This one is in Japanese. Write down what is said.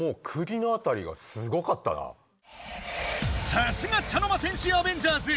さすが茶の間戦士アベンジャーズ！